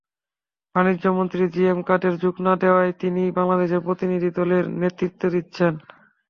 বাণিজ্যমন্ত্রী G M Quader যোগ না দেওয়ায় তিনিই বাংলাদেশ প্রতিনিধিদলের নেতৃত্ব দিচ্ছেন।